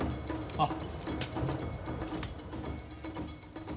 あっ。